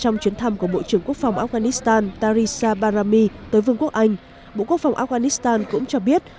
trong chuyến thăm của bộ trưởng quốc phòng afghanistan tarisa barami tới vương quốc anh bộ quốc phòng afghanistan cũng cho biết